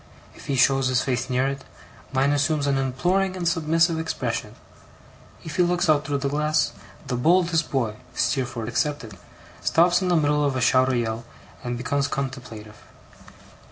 If he shows his face near it, mine assumes an imploring and submissive expression. If he looks out through the glass, the boldest boy (Steerforth excepted) stops in the middle of a shout or yell, and becomes contemplative.